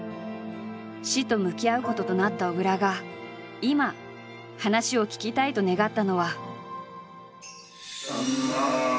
死と向き合うこととなった小倉が今話を聞きたいと願ったのは。